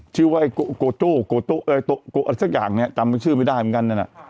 ชื่อว่าไอ้โกโจ้โกโกอะไรสักอย่างเนี่ยจำชื่อไม่ได้เหมือนกันนั่นน่ะ